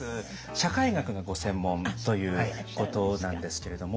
社会学がご専門ということなんですけれども。